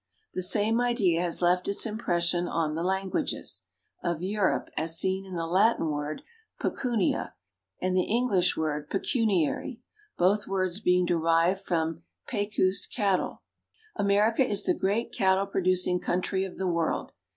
The same idea has left its impression on the languages of Europe as seen in the Latin word pecunia and the English word "pecuniary," both words being derived from pecus cattle. America is the great cattle producing country of the world.